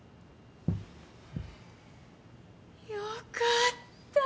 よかった。